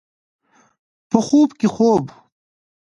په خوب کې خوب